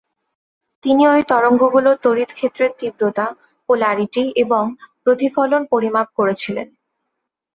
তিনি ঐ তরঙ্গগুলোর তড়িৎক্ষেত্রের তীব্রতা, পোলারিটি এবং প্রতিফলন পরিমাপ করেছিলেন।